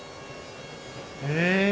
へえ。